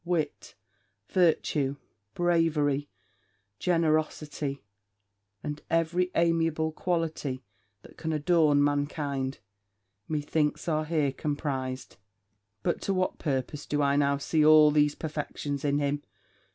wit virtue bravery generosity and every amiable quality that can adorn mankind, methinks are here comprized. 'But to what purpose do I now see all these perfections in him?'